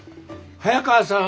早川さん